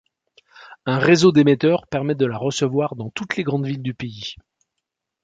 Un réseau d’émetteurs permet de la recevoir dans toutes les grandes villes du pays.